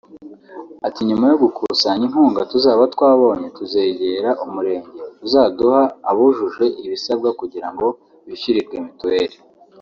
Ati “Nyuma yo gukusanya inkunga tuzaba twabonye tuzegera umurenge uzaduha abujuje ibisabwa kugirango bishyurirwe mutuelle